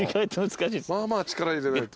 まあまあ力入れないと。